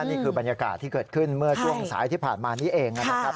นี่คือบรรยากาศที่เกิดขึ้นเมื่อช่วงสายที่ผ่านมานี้เองนะครับ